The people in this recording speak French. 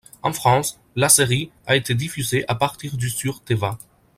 En France, la série a été diffusée à partir du sur Téva.